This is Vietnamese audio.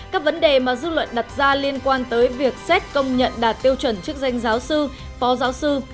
các vấn đề mà dư luận đặt ra liên quan tới việc xét công nhận đạt tiêu chuẩn chức danh giáo sư phó giáo sư